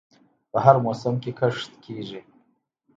په هر موسم کې کښت کیږي.